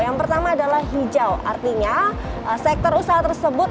yang pertama adalah hijau artinya sektor usaha tersebut